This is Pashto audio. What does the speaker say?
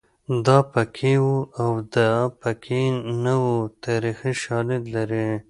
دا پکې وو او دا پکې نه وو تاریخي شالید لري